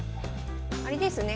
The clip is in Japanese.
あれですね